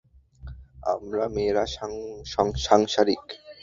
আমারা মেয়েরা সাংসারিক।